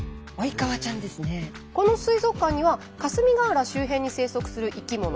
この水族館には霞ヶ浦周辺に生息する生き物